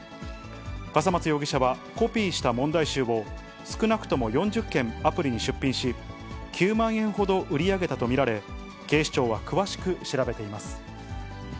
笠松容疑者はコピーした問題集を、少なくとも４０件アプリに出品し、９万円ほど売り上げたと見られ、警視庁は詳しく調べています。